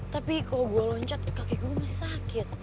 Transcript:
tapi kalau gue loncat kakek gue masih sakit